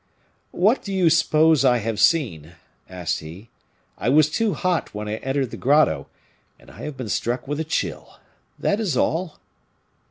"What do you suppose I have seen?" asked he. "I was too hot when I entered the grotto, and I have been struck with a chill. That is all."